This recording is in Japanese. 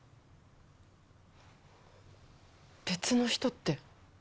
別の人って？